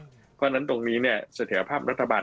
เพราะฉะนั้นตรงนี้สถิธิภาพรัฐบาล